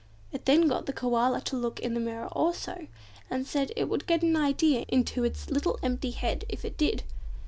It then got the Koala to look into the mirror also, and said it would get an idea into its little empty head if it did.